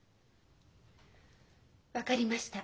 分かりました。